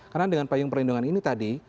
karena dengan payung perlindungan ini tadi